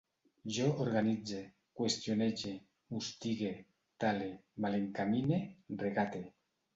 Jo organitze, qüestionege, mustigue, tale, malencamine, regate